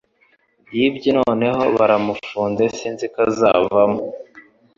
Yibye none baramufunze sinziko azavamo